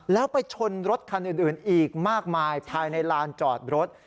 แล้วไปชนรถคันอื่นอีกมากมายภายในลานจอดรถ